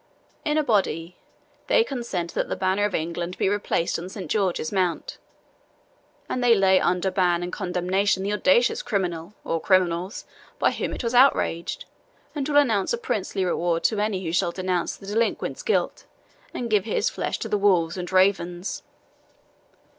"In a body, they consent that the Banner of England be replaced on Saint George's Mount; and they lay under ban and condemnation the audacious criminal, or criminals, by whom it was outraged, and will announce a princely reward to any who shall denounce the delinquent's guilt, and give his flesh to the wolves and ravens."